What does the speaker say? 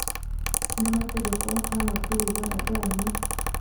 n amategeko n amabwiriza ajyanye